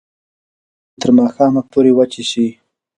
ستا جامې به تر ماښامه پورې وچې شي.